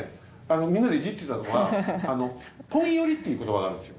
みんなでイジってたのは。っていう言葉があるんですよ